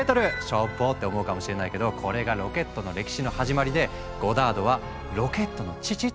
「しょぼ！」って思うかもしれないけどこれがロケットの歴史の始まりでゴダードは「ロケットの父」って呼ばれている。